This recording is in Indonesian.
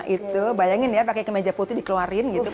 itu bayangin ya pakai ke meja putih dikeluarin gitu